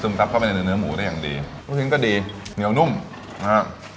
ซับเข้าไปในเนื้อหมูได้อย่างดีลูกชิ้นก็ดีเหนียวนุ่มนะฮะ